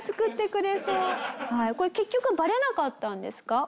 これ結局バレなかったんですか？